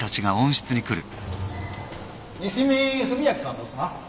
西見文明さんどすな？